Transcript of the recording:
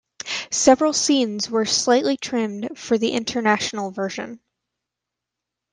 Several scenes were slightly trimmed for the international version.